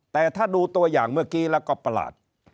แต่ถ้าดูตัวอย่างเมื่อกี้แล้วก็ประหลาด